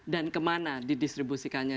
dan kemana didistribusikannya